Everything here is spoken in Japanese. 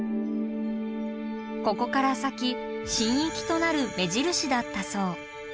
ここから先神域となる目印だったそう。